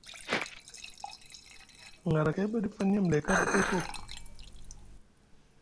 Narakay ɓa ɗif a niya amlay karɗi kay koo.